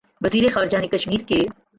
وزیر خارجہ نے کشمیر کے